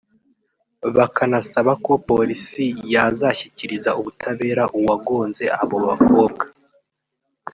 bakanasaba ko Polisi yazashyikiriza ubutabera uwagonze abo bakobwa